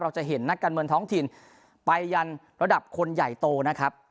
จะเห็นนักการเมืองท้องถิ่นไปยันระดับคนใหญ่โตนะครับ